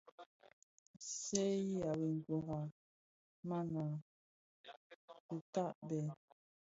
Sèghi a biňkira, mana kitabè.